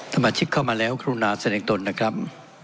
ธรรมชิกเข้ามาแล้วครูนาเสน่งตนนะครับ